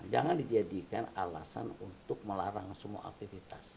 jangan dijadikan alasan untuk melarang semua aktivitas